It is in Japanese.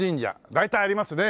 大体ありますね